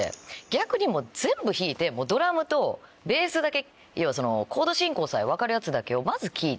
逆に全部引いてドラムとベースだけいわばコード進行さえ分かるやつだけをまず聴いて。